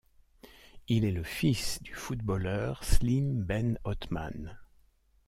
Il est le fils du footballeur Slim Ben Othman.